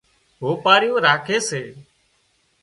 هوپارِيُون راکي سي